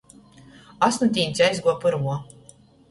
Es nu tīņs aizguoju pyrmuo.